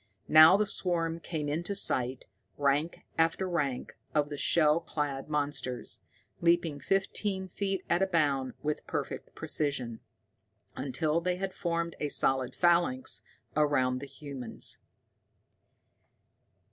Now the swarm came into sight, rank after rank of the shell clad monsters, leaping fifteen feet at a bound with perfect precision, until they had formed a solid phalanx all around the humans.